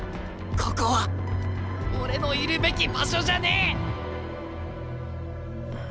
ここは俺のいるべき場所じゃねえ！